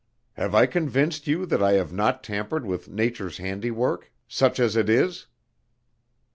Have I convinced you that I have not tampered with Nature's handiwork, such as it is?"